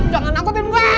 jangan nangkutin gua